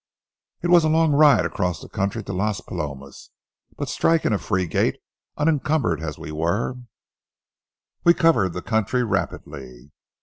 It was a long ride across country to Las Palomas, but striking a free gait, unencumbered as we were, we covered the country rapidly.